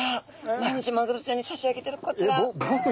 毎日マグロちゃんに差し上げてるこちら。